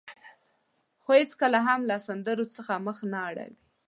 خو هېڅکله هم له سندرو څخه مخ نه اړوي.